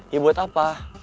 ya buat apa